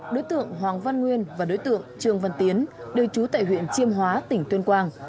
đối tượng hoàng văn nguyên và đối tượng trương văn tiến đều trú tại huyện chiêm hóa tỉnh tuyên quang